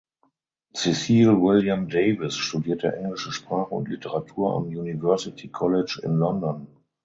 Cecil William Davies studierte englische Sprache und Literatur am University College in London.